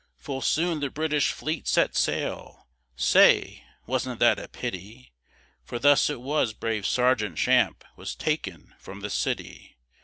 Full soon the British fleet set sail! Say! wasn't that a pity? For thus it was brave Sergeant Champe Was taken from the city.